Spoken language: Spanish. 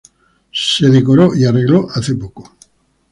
Se decoró y arregló hace poco.